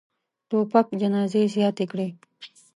توپک جنازې زیاتې کړي.